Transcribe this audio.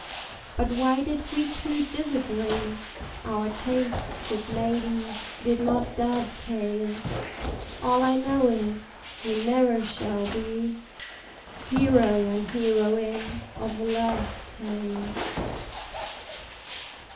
—But why did we two disagree? Our tastes, it may be, did not dovetail: All I know is, we ne'er shall be Hero and heroine of a love tale.